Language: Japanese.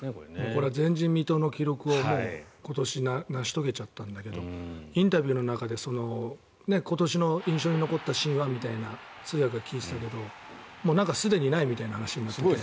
これは前人未到の記録を今年、成し遂げちゃったんだけどインタビューの中で今年の印象に残ったシーンは？って通訳が聞いていたけどすでにないみたいな話になっていて。